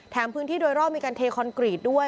พื้นที่โดยรอบมีการเทคอนกรีตด้วย